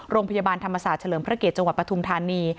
โรงพยาบาลธรรมศาสตร์เฉลิมพระเกียรติจังหวัดปฐุมธานี